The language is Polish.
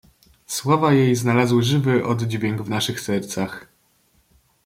"Słowa jej znalazły żywy oddźwięk w naszych sercach."